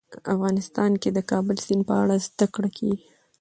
افغانستان کې د د کابل سیند په اړه زده کړه کېږي.